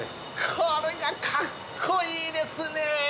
これがかっこいいですね！